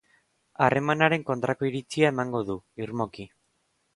Harremanaren kontrako iritzia emango du, irmoki.